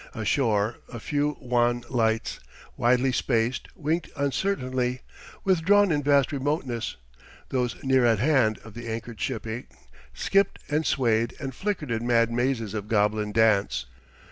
Ashore a few wan lights, widely spaced, winked uncertainly, withdrawn in vast remoteness; those near at hand, of the anchored shipping, skipped and swayed and flickered in mad mazes of goblin dance.